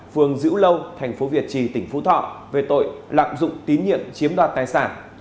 phường dữ lâu thành phố việt trì tỉnh phú thọ về tội lạm dụng tín nhiệm chiếm đoạt tài sản